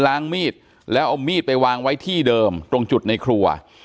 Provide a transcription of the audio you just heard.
ล้างมีดแล้วเอามีดไปวางไว้ที่เดิมตรงจุดในครัว